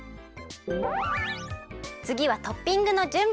つぎはトッピングのじゅんび！